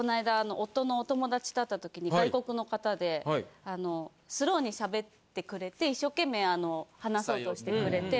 夫のお友達と会った時に外国の方でスローに喋ってくれて一生懸命話そうとしてくれて。